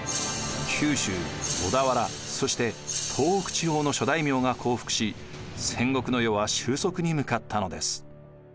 九州小田原そして東北地方の諸大名が降伏し戦国の世は終息に向かったのです。